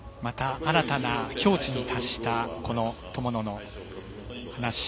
また新たな境地に達した友野の話。